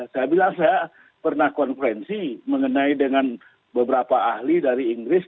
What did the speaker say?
saya bilang saya pernah konferensi mengenai dengan beberapa ahli dari inggris